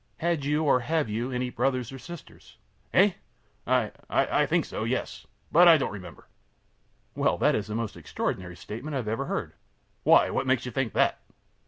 Had you, or have you, any brothers or sisters? A. Eh! I I I think so yes but I don't remember. Q. Well, that is the most extraordinary statement I ever heard! A. Why, what makes you think that?